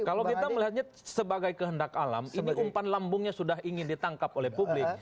kalau kita melihatnya sebagai kehendak alam ini umpan lambungnya sudah ingin ditangkap oleh publik